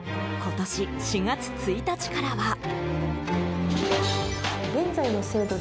今年４月１日からは。